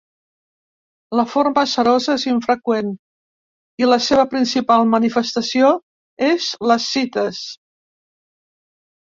La forma serosa és infreqüent, i la seva principal manifestació és l'ascites.